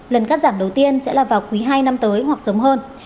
lần cắt giảm đầu tiên sẽ là vào quý hai năm tới hoặc sớm hơn